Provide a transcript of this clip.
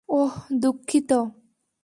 ওহ, দুঃখিত।